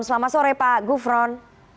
selamat sore pak gufron